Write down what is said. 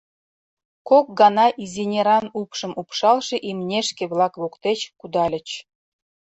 Кок гана изинеран упшым упшалше имнешке-влак воктеч кудальыч.